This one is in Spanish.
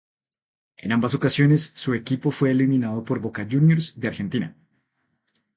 En ambas ocasiones su equipo fue eliminado por Boca Juniors de Argentina.